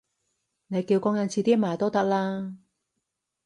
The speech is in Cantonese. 你叫工人遲啲買都得啦